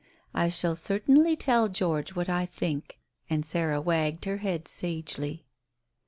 I shall certainly tell George what I think." And Sarah wagged her head sagely.